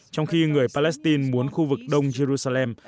trong khi người palestine muốn khu vực đông jerusalem